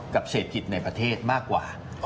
กับเศรษฐกิจในประเทศมากกว่า